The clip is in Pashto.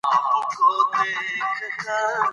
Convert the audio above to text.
خپل تاریخي رسالت د ساتني او پالني په چوکاټ کي ښه روزلی دی